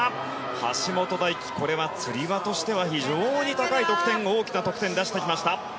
橋本大輝、これはつり輪としては非常に高い大きな得点を出してきました。